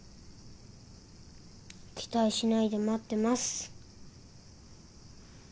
期待しないで待ってます。